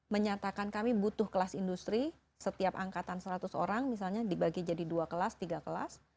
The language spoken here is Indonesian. menyatakan kami butuh kelas industri setiap angkatan seratus orang misalnya dibagi jadi dua kelas tiga kelas